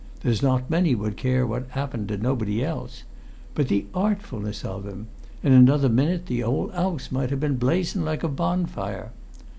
There's not many would care what 'appened to nobody else! But the artfulness of 'im: in another minute the whole 'ouse might've been blazing like a bonfire!